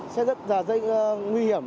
sẽ rất nguy hiểm